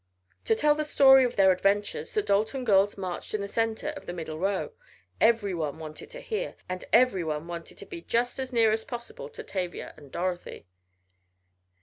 To tell the story of their adventures, the Dalton girls marched in the center of the middle row everyone wanted to hear, and everyone wanted to be just as near as possible to Tavia and Dorothy.